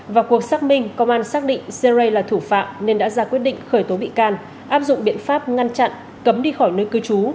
vào cuộc xác minh công an xác định seri là thủ phạm nên đã ra quyết định khởi tố bị can áp dụng biện pháp ngăn chặn cấm đi khỏi nơi cư trú